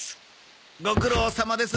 ご苦労さまです。